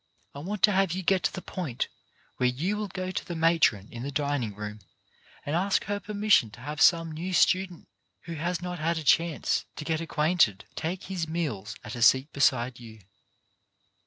I want to have you get to the point where you will go to the matron in the dining room and ask her permission to have some new student who has not had a chance to get acquainted take his meals at a seat beside you.